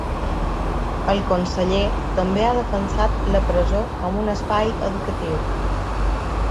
El conseller també ha defensat la presó com un espai educatiu.